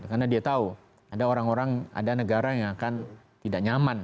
karena dia tahu ada orang orang ada negara yang akan tidak nyaman